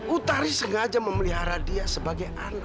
utari sengaja memelihara dia sebagai anak